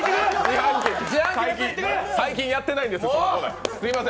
最近やってないんですそのコーナー。